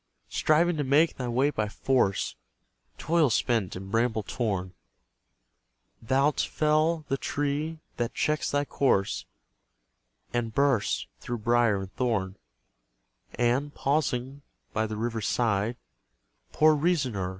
Striving to make thy way by force, Toil spent and bramble torn, Thou'lt fell the tree that checks thy course, And burst through brier and thorn: And, pausing by the river's side, Poor reasoner!